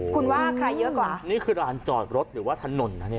คุณว่าใครเยอะกว่านี่คือร้านจอดรถหรือว่าถนนนะเนี่ย